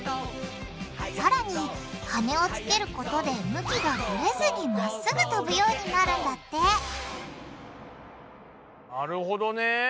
さらに羽をつけることで向きがぶれずにまっすぐ飛ぶようになるんだってなるほどね。